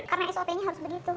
karena sop nya harus begitu